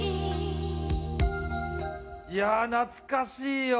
いやあ懐かしいよ。